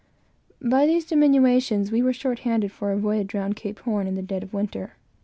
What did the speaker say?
By these diminutions, we were short handed for a voyage round Cape Horn in the dead of winter.